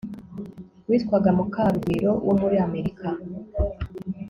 witwaga mukarugwiro wo muri amerika